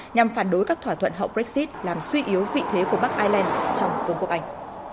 nhằm phản đối các thỏa thuận hậu brexit làm suy yếu vị thế của bắc ireland trong vương quốc anh